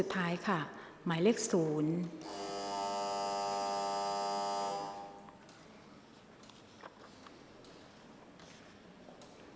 กรรมการท่านที่ห้าได้แก่กรรมการใหม่เลขเก้า